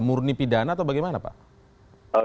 murni pidana atau bagaimana pak